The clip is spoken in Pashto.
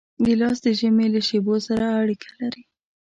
ګیلاس د ژمي له شېبو سره اړیکه لري.